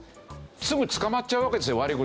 すぐ捕まっちゃうわけですよ悪い事すれば。